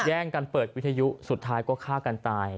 แย่งกันเปิดวิทยุสุดท้ายก็ฆ่ากันตาย